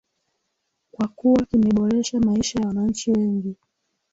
kwa kuwa kimeboresha maisha ya wananchi wengi